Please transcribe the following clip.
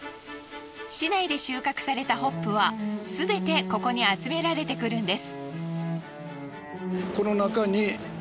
市内で収穫されたホップはすべてここに集められてくるんです。